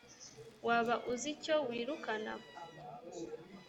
waba uzi icyo wirukana?